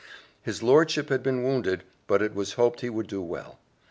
His lordship had been wounded, but it was hoped he would do well.